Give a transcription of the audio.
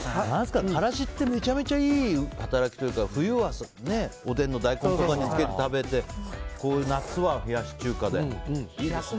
からしってめちゃくちゃいい働きというか冬はおでんの大根とかにつけて食べて夏は冷やし中華で、いいですね。